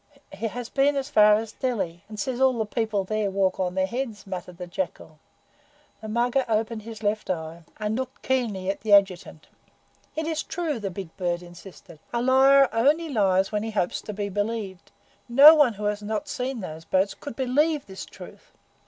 "He has been as far as Delhi, and says all the people there walk on their heads," muttered the Jackal. The Mugger opened his left eye, and looked keenly at the Adjutant. "It is true," the big bird insisted. "A liar only lies when he hopes to be believed. No one who had not seen those boats COULD believe this truth."